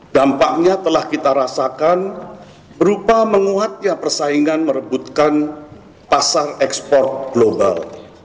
dampaknya telah kita rasakan berupa menguatnya persaingan merebutkan pasar ekspor global